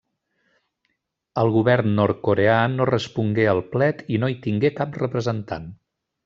El govern nord-coreà no respongué al plet i no hi tingué cap representant.